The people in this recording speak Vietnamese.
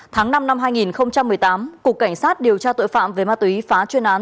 tháng năm năm hai nghìn một mươi tám cục cảnh sát điều tra tội phạm về ma túy phá chuyên án